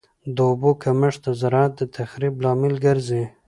د اوبو کمښت د زراعت د تخریب لامل ګرځي.